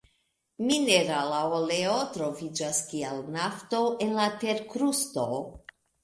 Minerala oleo troviĝas kiel nafto en la terkrusto.